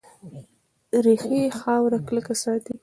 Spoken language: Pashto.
ریښې خاوره کلکه ساتي.